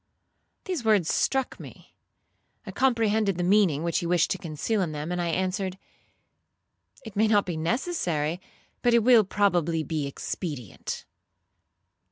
These words struck me. I comprehended the meaning which he wished to conceal in them, and I answered, 'It may not be necessary, but it will probably be expedient.'